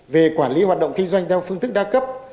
về quản lý hoạt động kinh doanh theo phương thức đa cấp